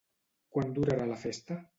Quant durarà la festa?